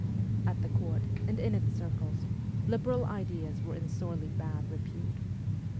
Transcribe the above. At the Court, and in its circles, liberal ideas were in sorely bad repute.